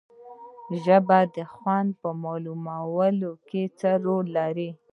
ژبه د خوند په معلومولو کې څه رول لري